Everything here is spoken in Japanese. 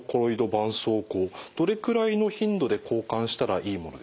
そうこうどれくらいの頻度で交換したらいいものですか？